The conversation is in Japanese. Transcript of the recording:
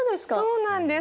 そうなんです。